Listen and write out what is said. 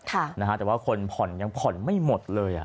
แต่ว่าคนผ่อนยังผ่อนไม่หมดเลย